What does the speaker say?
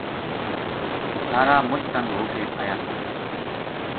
سارا مُچ تنگ ہو کے آیا تھا